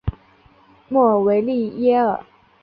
莫尔维利耶尔。